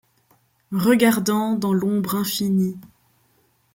Regardant, dans l’ombre infinie